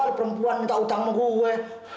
gw perempuan minta udang sama gue